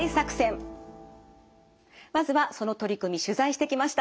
まずはその取り組み取材してきました。